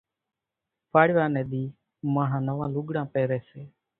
پاڙِوا ني ۮِي ماڻۿان نوان لوڳڙان پيري سي۔